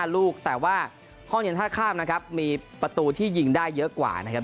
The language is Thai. ลูกแต่ว่าห้องเย็นท่าข้ามนะครับมีประตูที่ยิงได้เยอะกว่านะครับ